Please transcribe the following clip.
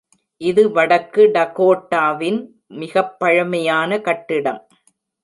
இது வடக்கு டகோட்டாவின் மிகப் பழமையான கட்டிடம்.